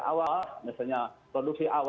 awal misalnya produksi awal